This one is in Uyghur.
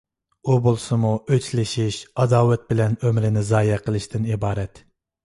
ئۇ بولسىمۇ ئۆچلىشىش، ئاداۋەت بىلەن ئۆمرىنى زايە قىلىشتىن ئىبارەت.